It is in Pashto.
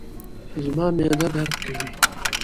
زما معده درد کوي